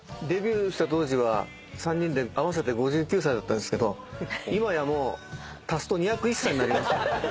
デビューした当時は３人で合わせて５９歳だったんですけど今やもう足すと２０１歳になりました。